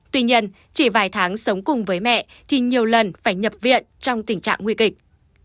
tuy nhiên chỉ vài tháng sống cùng với mẹ thì nhiều lần phải nhập viện trong tình trạng nguy kịch